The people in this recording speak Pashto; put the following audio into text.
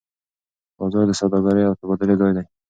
بازار د سوداګرۍ او تبادلې ځای دی.